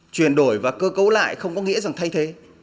chuyển đổi và cơ cấu lại không có nghĩa rằng thay thế